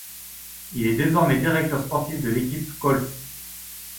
Il est désormais directeur sportif de l'équipe Kolss.